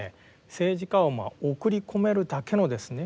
政治家をまあ送り込めるだけのですね